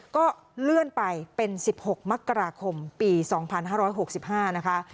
ก็เลื่อนไปเป็นสิบหกมกราคมปีสองพันห้าร้อยหกสิบห้านะคะ